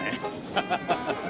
ハハハッ。